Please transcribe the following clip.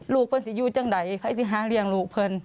ลูกเพื่อนสิอยู่จังไหนให้สิหาเรียงลูกเพื่อน